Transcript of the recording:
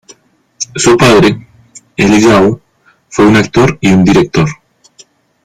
Su padre, Eliyahu, fue un actor y un director.